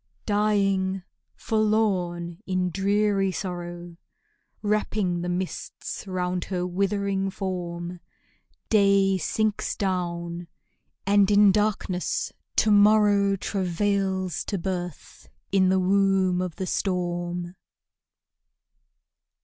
Dying, forlorn, in dreary sorrow, Wrapping the mists round her withering form, Day sinks down; and in darkness to morrow Travails to birth in the womb of the storm.